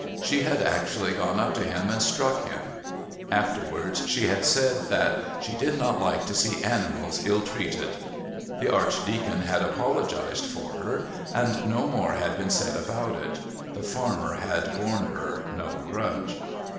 She had actually gone up to him and struck him. Afterwards she had said that "she did not like to see animals ill treated." The Archdeacon had apologised for her, and no more had been said about it. The farmer had borne her no grudge.